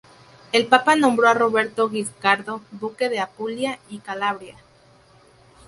El Papa nombró a Roberto Guiscardo duque de Apulia y Calabria.